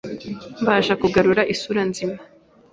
mbasha kugarura isura nzima